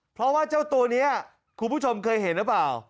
เพราะว่าเจ้าตัวนี้คุณผู้ชมเคยเห็นหรือเปล่า